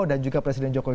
dan juga presiden jokowi